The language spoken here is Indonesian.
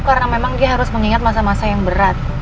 karena memang dia harus mengingat masa masa yang berat